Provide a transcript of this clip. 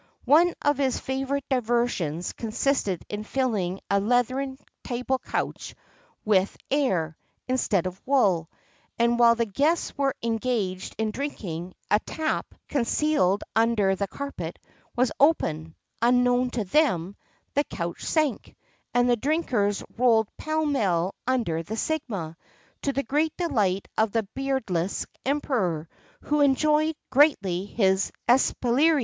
[XXXII 63] One of his favourite diversions consisted in filling a leathern table couch with air, instead of wool; and while the guests were engaged in drinking, a tap, concealed under the carpet, was opened, unknown to them; the couch sank, and the drinkers rolled pell mell under the sigma, to the great delight of the beardless emperor, who enjoyed greatly his espiéglerie.